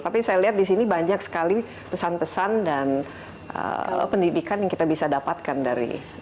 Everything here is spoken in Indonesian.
tapi saya lihat disini banyak sekali pesan pesan dan pendidikan yang kita bisa dapatkan dari film ini